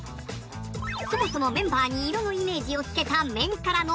そもそもメンバーに色のイメージをつけた。